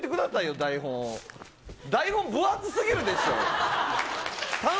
台本、分厚すぎるでしょ。